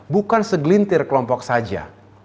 bukan segelintir kelompok saja